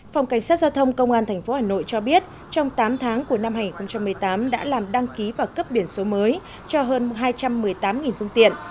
phòng cảnh sát giao thông công an tp hà nội cho biết trong tám tháng của năm hai nghìn một mươi tám đã làm đăng ký và cấp biển số mới cho hơn hai trăm một mươi tám phương tiện